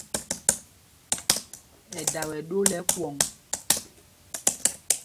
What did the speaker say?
Ɛdaa wɛ ɗó lɛ́ ɛkwɔ̌ŋ.